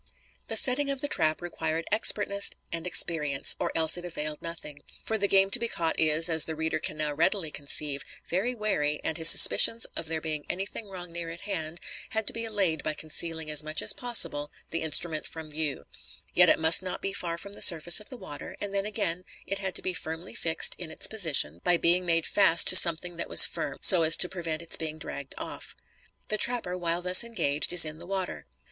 ] The setting of the trap required expertness and experience, or else it availed nothing; for the game to be caught is, as the reader can now readily conceive, very wary and his suspicions of there being anything wrong near at hand, had to be allayed by concealing as much as possible the instrument from view; yet it must not be far from the surface of the water; and then again it had to be firmly fixed in its position, by being made fast to something that was firm so as prevent its being dragged off. The trapper, while thus engaged, is in the water.